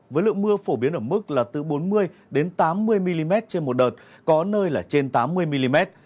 với lượng mưa phổ biến ở mức là từ bốn mươi tám mươi mm trên một đợt có nơi là trên tám mươi mm